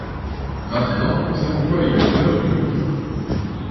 Maintenant on sait pourquoi il a une raie au milieu.